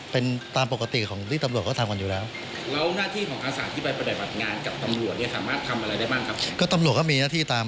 ตำรวจเนี่ยสามารถทำอะไรได้บ้างครับก็ตำรวจก็มีหน้าที่ตาม